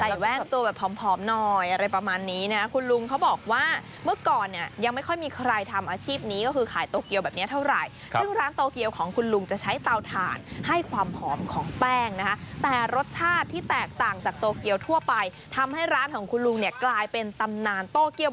แว่นตัวแบบผอมหน่อยอะไรประมาณนี้นะคุณลุงเขาบอกว่าเมื่อก่อนเนี่ยยังไม่ค่อยมีใครทำอาชีพนี้ก็คือขายโตเกียวแบบนี้เท่าไหร่ซึ่งร้านโตเกียวของคุณลุงจะใช้เตาถ่านให้ความหอมของแป้งนะคะแต่รสชาติที่แตกต่างจากโตเกียวทั่วไปทำให้ร้านของคุณลุงเนี่ยกลายเป็นตำนานโตเกียว